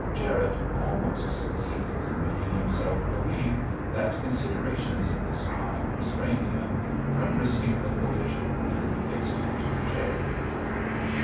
Jarette almost succeeded in making himself believe that considerations of this kind restrained him from risking the collision and fixed him to the chair.